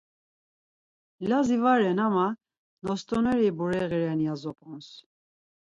Lazi va ren ama “Nostoneri bureği ren.” ya zop̆onz.